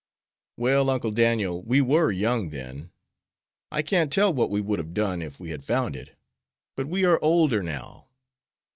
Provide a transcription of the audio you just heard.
"Well, Uncle Daniel, we were young then; I can't tell what we would have done if we had found it. But we are older now."